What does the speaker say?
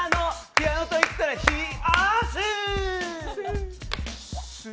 ピアノといったらひー